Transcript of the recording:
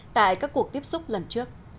tại các cuộc tiếp xúc lần trước